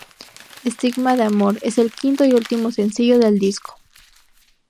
Estigma de amor: Es el quinto y último sencillo del disco.